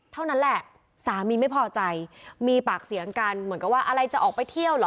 เท่านั้นแหละสามีไม่พอใจมีปากเสียงกันเหมือนกับว่าอะไรจะออกไปเที่ยวเหรอ